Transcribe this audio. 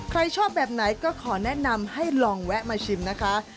ใครชอบแบบไหนก็ขอแนะนำให้ลองแวะมาชิมนะคะ